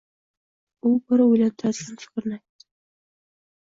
U bir oʻylantiradigan fikrni aytdi.